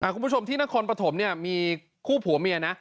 คุณผู้ชมที่นครปฐมเนี่ยมีคู่ผัวเมียนะ